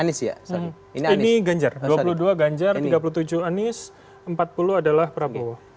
ini ganjar dua puluh dua ganjar tiga puluh tujuh anies empat puluh adalah prabowo